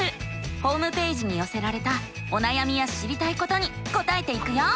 ホームページによせられたおなやみや知りたいことに答えていくよ。